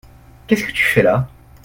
Qu’est-ce que tu fais là ?